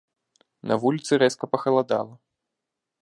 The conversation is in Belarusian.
На вуліцы рэзка пахаладала.